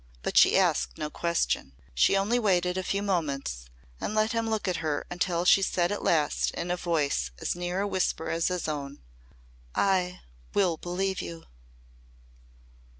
But she asked no question. She only waited a few moments and let him look at her until she said at last in a voice as near a whisper as his own. "I will believe you."